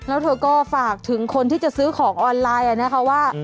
แล้วเธอก็ฝากถึงคนที่จะซื้อของออนไลน์นะคะว่า